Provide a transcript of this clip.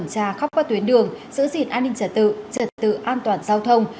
các nhà khắp qua tuyến đường giữ gìn an ninh trật tự trật tự an toàn giao thông